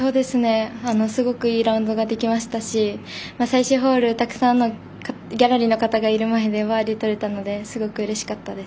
すごくいいラウンドができましたし最終ホールにたくさんのギャラリーの方がいる前でバーディーとれたのですごくうれしかったです。